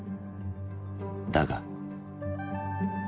だが。